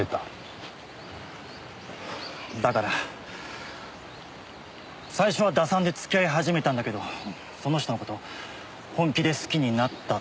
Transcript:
だから最初は打算で付き合い始めたんだけどその人の事本気で好きになったとかなんとか。